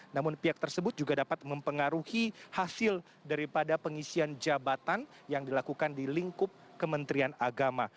namun pihak tersebut juga dapat mempengaruhi hasil daripada pengisian jabatan yang dilakukan di lingkup kementerian agama